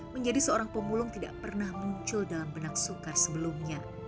menjadi seorang pemulung tidak pernah muncul dalam benak sukar sebelumnya